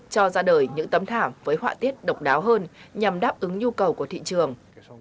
cho ra đời những tấm thảm với họa tiết độc đáo hơn nhằm đáp ứng nhu cầu của thị trường